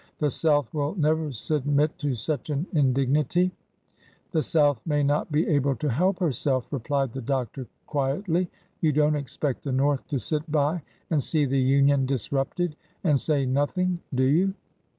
The South will never submit to such an indignity !" The South may not be able to help herself," replied the doctor, quietly. You don't expect the North to sit by and see the Union disrupted and say nothing, do you